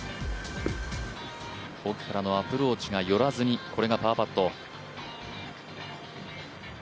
奥からのアプローチが寄らずにこれがパーパット。